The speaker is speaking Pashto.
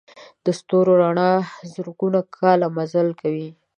د ستورو رڼا زرګونه کاله مزل کوي.